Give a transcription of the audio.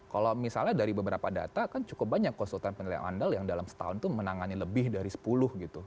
kalau misalnya dari beberapa data kan cukup banyak konsultan penilai andal yang dalam setahun itu menangani lebih dari sepuluh gitu